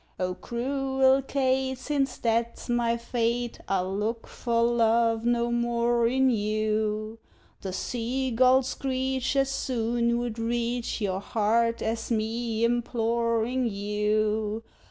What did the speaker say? O cruel Kate! since that's my fate, I'll look for love no more in you; The seagull's screech as soon would reach Your heart, as me implorin' you.